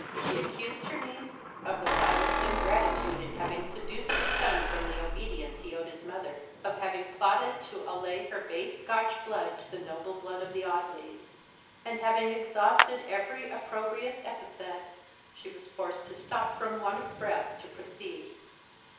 She accused her niece of the vilest ingratitude in having seduced her son from the obedience he owed his mother; of having plotted to ally her base Scotch blood to the noble blood of the Audleys; and, having exhausted every opprobrious epithet, she was forced to stop from want of breath to proceed.